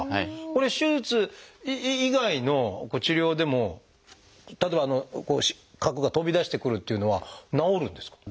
これ手術以外の治療でも例えば核が飛び出してくるというのは治るんですか？